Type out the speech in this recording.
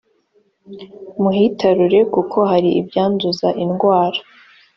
muhitarure kuko hari ibyanduza indwara.